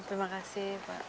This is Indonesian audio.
terima kasih pak